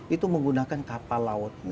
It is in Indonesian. itu menggunakan kapal laut